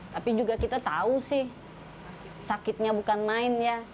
tapi juga kita tahu sih sakitnya bukan main ya